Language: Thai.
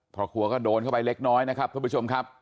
พละครัวก็โดนเข้าไปเล็กน้อยแบบนี้ครับ